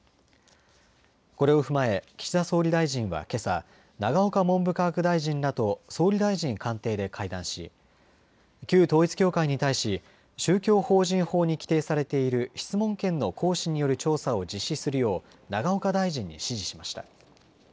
これを踏まえ岸田総理大臣はけさ、永岡文部科学大臣らと総理大臣官邸で会談し旧統一教会に対し宗教法人法に規定されている質問権の行使による調査を実施するよう永岡大臣に指示しました。